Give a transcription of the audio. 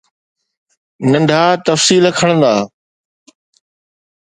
ننڍا تفصيل کڻندا